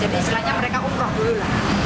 jadi istilahnya mereka umroh dulu lah